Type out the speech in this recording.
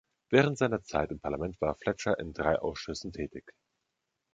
Während seiner Zeit im Parlament war Fletcher in drei Ausschüssen tätig.